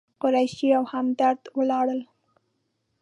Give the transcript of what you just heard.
قریشي او همدرد ولاړل.